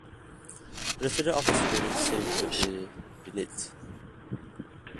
The residents of the spirits seems to be beneath.